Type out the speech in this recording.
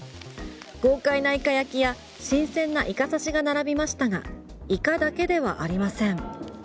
豪快なイカ焼きや新鮮なイカ刺しが並びましたがイカだけではありません。